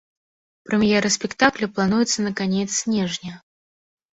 Прэм'ера спектакля плануецца на канец снежня.